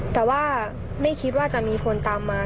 แต่ว่าไม่คิดว่าจะมีคนตามมา